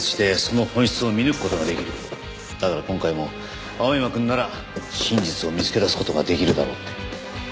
だから今回も青山くんなら真実を見つけ出す事ができるだろうって。